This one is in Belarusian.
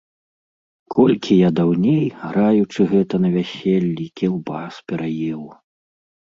Колькі я даўней, граючы, гэта, на вяселлі, кілбас пераеў.